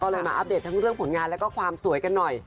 ก็เลยมาอัปเดตทั้งเรื่องผลงานแล้วก็ความสวยกันหน่อย